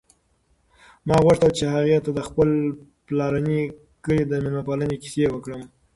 ما غوښتل چې هغې ته د خپل پلارني کلي د مېلمه پالنې کیسې وکړم.